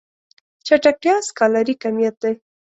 چټکتيا سکالري کميت دی.